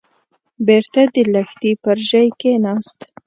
بېرته د لښتي پر ژۍ کېناست.